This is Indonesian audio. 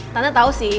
tante tau sih